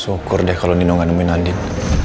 syukur deh kalau nino ga nemuin hanjin